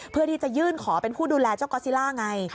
เพื่อที่จะยื่นขอเป็นผู้ดูแลเจ้าก๊อซิล่าไง